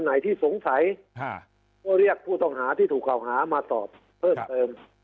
ไหนที่สงสัยก็เรียกผู้ต้องหาที่ถูกเก่าหามาตอบเพิ่มเติม